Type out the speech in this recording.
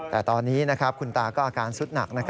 แต่ตอนนี้คุณตาก็อาการสุดหนัก